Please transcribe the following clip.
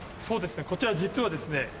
そうですねこちら実はですね